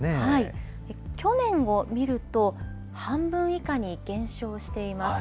去年を見ると、半分以下に減少しています。